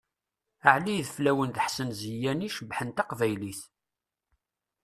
Ɛli Ideflawen d Ḥsen Ziyani cebbḥen taqbaylit!